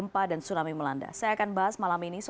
pak iyan selamat malam